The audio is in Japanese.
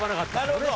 なるほど。